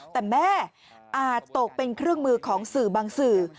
แต่แม่อาจตกเป็นเครื่องมือของสื่อบางสื่อ